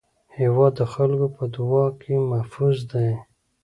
هېواد د خلکو په دعا کې محفوظ دی.